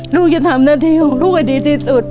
หนูจะทำหน้าของรูปกว่าดีที่สุด